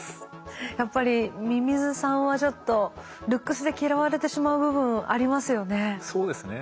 やっぱりミミズさんはちょっとルックスで嫌われてしまう部分ありますよね？